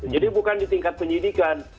jadi bukan di tingkat penyidikan